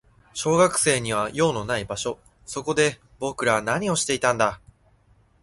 小学生には用のない場所。そこで僕らは何をしていたんだ。